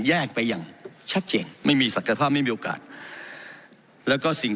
แยกไปอย่างชัดเจนไม่มีศักยภาพไม่มีโอกาสแล้วก็สิ่ง